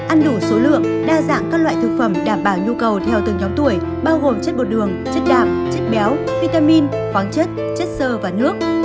ăn đủ số lượng đa dạng các loại thực phẩm đảm bảo nhu cầu theo từng nhóm tuổi bao gồm chất bột đường chất đạp chất béo vitamin khoáng chất chất sơ và nước